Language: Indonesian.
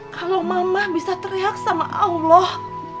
kalau mama bisa teriak sama allah